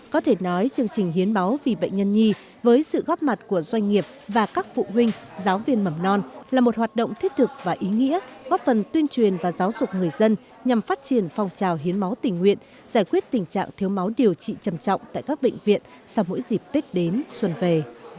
có thể nói chương trình hiến máu vì bệnh nhân nhi với sự góp mặt của doanh nghiệp và các phụ huynh giáo viên mầm non là một hoạt động thiết thực và ý nghĩa góp phần tuyên truyền và giáo dục người dân nhằm phát triển phong trào hiến máu tình nguyện giải quyết tình trạng thiếu máu điều trị trầm trọng tại các bệnh viện sau mỗi dịp tết đến xuân về